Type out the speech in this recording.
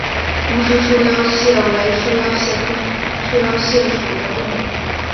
重石束腰蟹为束腹蟹科束腰蟹属的动物。